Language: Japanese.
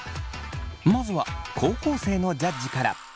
まずは高校生のジャッジから。